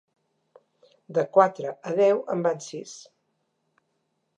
De quatre a deu en van sis.